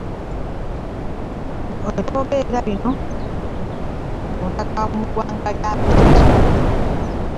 Wetwogerera bino, mutaka mu ggwanga lya Mexico